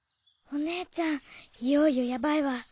お姉ちゃんいよいよヤバいわ。